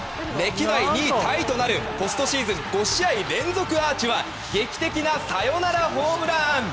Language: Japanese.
歴代２位タイとなるポストシーズン５試合連続アーチは劇的なサヨナラホームラン！